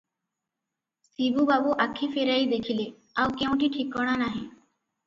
ଶିବୁ ବାବୁ ଆଖି ଫେରାଇ ଦେଖିଲେ, ଆଉ କେଉଁଠି ଠିକଣା ନାହିଁ ।